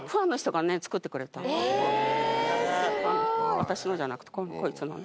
・私のじゃなくてこいつの。